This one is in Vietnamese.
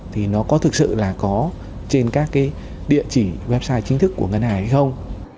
thì nó có thực sự là có trên các cái địa chỉ website chính thức của ngân hàng hay không